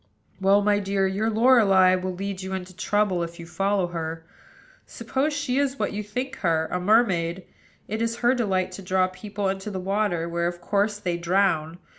"Well, my dear, your Lorelei will lead you into trouble, if you follow her. Suppose she is what you think her, a mermaid: it is her delight to draw people into the water, where, of course, they drown.